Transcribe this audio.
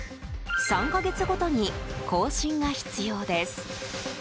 ３か月ごとに更新が必要です。